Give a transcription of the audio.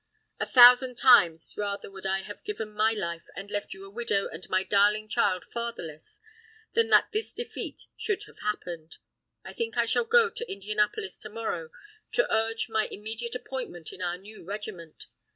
A thousand times rather would I have given my life and left you a widow and my darling child fatherless than that this defeat should have happened. I think I shall go to Indianapolis to morrow to urge my immediate appointment in our new regiment.